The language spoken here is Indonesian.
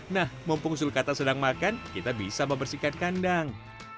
nah mumpung sulkata sedang makan kita bisa membersihkan kandang